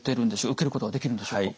受けることができるんでしょうか？